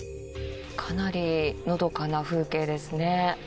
かなりのどかな風景ですね。